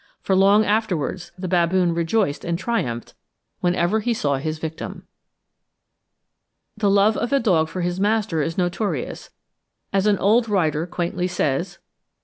For long afterwards the baboon rejoiced and triumphed whenever he saw his victim. The love of a dog for his master is notorious; as an old writer quaintly says (9.